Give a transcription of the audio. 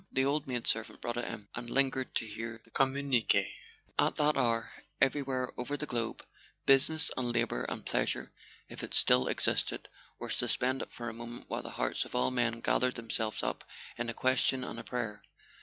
The old maid servant brought it in, and lingered to hear the communique. At that hour, every¬ where over the globe, business and labour and pleasure (if it still existed) were suspended for a moment while the hearts of all men gathered themselves up in a ques¬ tion and a prayer.